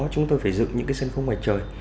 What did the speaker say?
chúng tôi phải dựng những cái sân khấu ngoài trời